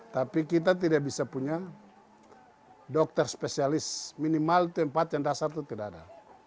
tapi kita tidak bisa punya dokter spesialis minimal tempat yang dasar itu tidak ada